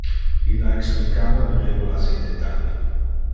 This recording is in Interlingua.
Illa explicava le regulas in detalio.